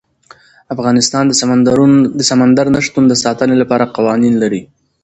افغانستان د سمندر نه شتون د ساتنې لپاره قوانین لري.